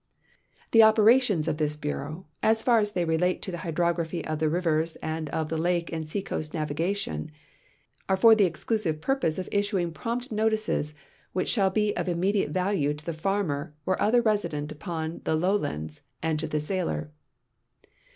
The operations of this bureau, as far as they relate to the h3ulrography of the rivers and of the lake and seacoast navigation, are for the exclusive purpose of issuing prompt notices, which shall be of immediate value to the farmer or other resident upon the lowlands and to the sailor.